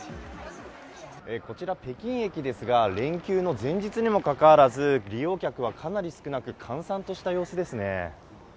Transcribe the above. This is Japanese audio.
こちら、北京駅ですが、連休の前日にもかかわらず、利用客はかなり少なく、閑散とした様子ですね。